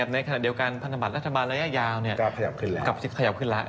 ในขณะเดียวกันธนบัตรรัฐบาลระยะยาวขึ้นแล้ว